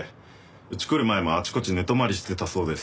うち来る前もあちこち寝泊まりしてたそうです。